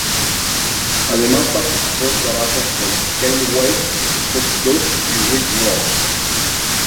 Además participó en trabajos con Kanye West, Snoop Dogg y Rick Ross.